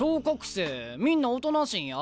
生みんなおとなしいんや？